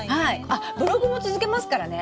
あっブログも続けますからね！